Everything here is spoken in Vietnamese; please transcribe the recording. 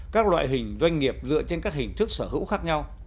các loại hình doanh nghiệp dựa trên các hình thức sở hữu khác nhau